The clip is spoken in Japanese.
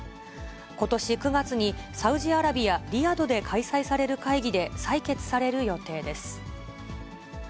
ことし９月に、サウジアラビア・リヤドで開催される会議で採決される予定です。